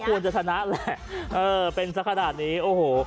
ควรจะชนะแหละเออเป็นสักขนาดนี้โอ้โห